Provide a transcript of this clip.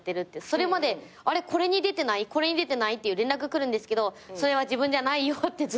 それまで「これに出てない？」っていう連絡来るんですけど「それは自分じゃないよ」ってずっと言ってて。